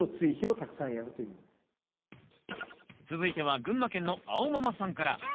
続いては群馬県のあおママさんから。